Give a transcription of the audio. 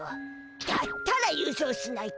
だったら優勝しないと。